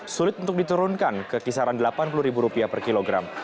sulit untuk diturunkan ke kisaran delapan puluh ribu rupiah per kilogram